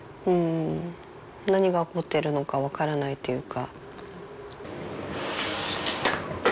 何が起こっているのかわからないというか。